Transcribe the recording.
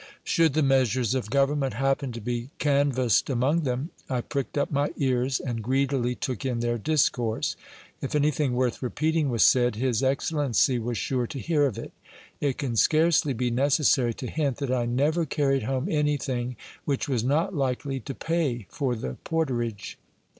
Should the measures of government happen to be canvassed among them, I pricked up my ears, and greedily took in their discourse ; if anything worth repeating was said, his ex cellency was sure to hear of it. It can scarcely be necessary to hint, that I never carried home anything which was not likely to pay for the porterage.